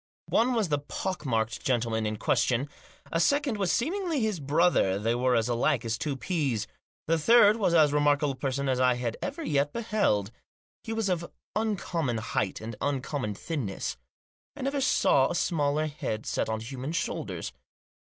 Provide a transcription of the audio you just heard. One was the pock marked gentleman in question ; a second was seemingly his brother — they were as alike as two peas ; the third was as remarkable a person as I had ever yet beheld. He was of uncommon height and uncommon thinness. I never saw a smaller head set on human shoulders.